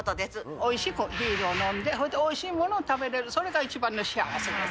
おいしくビールを飲んで、それでおいしいものを食べれる、それが一番の幸せです。